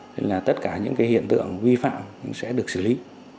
nên là tất cả những cái hiện tượng vi phạm cũng sẽ được xử lý